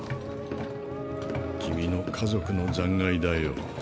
君の家族の残骸だよ。